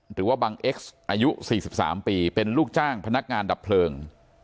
หรือว่าบังเอ็กซ์อายุ๔๓ปีเป็นลูกจ้างพนักงานดับเพลิง